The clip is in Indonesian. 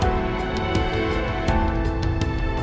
kenapa ini bisa sampe terjadi